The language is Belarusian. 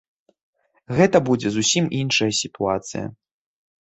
Гэта будзе зусім іншая сітуацыя.